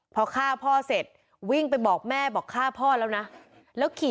พอฆ่าพ่อเสร็จวิ่งไปบอกแม่บอกฆ่าพ่อแล้วนะแล้วขี่